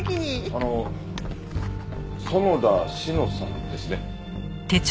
あの園田志乃さんですね。